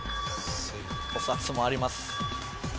お札もあります。